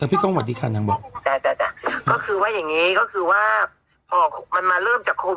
พี่กล้องสวัสดีค่ะตอนนี้พี่นท์บอก